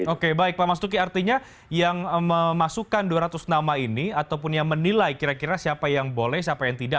oke baik pak mas duki artinya yang memasukkan dua ratus nama ini ataupun yang menilai kira kira siapa yang boleh siapa yang tidak